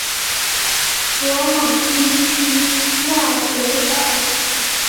博蒙地区讷维尔。